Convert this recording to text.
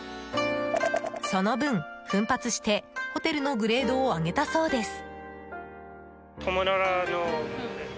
その分、奮発してホテルのグレードを上げたそうです。